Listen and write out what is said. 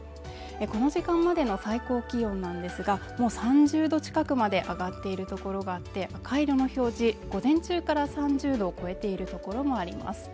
この時間までの最高気温なんですが、もう３０度近くまで上がっているところがあって赤色の表示、午前中から３０℃を超えているところもあります。